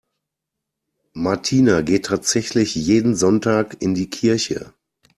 Martina geht tatsächlich jeden Sonntag in die Kirche.